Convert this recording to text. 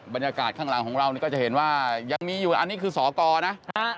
บรรยากาศข้างหลังของเรานี่ก็จะเห็นว่ายังมีอยู่อันนี้คือสอกรนะ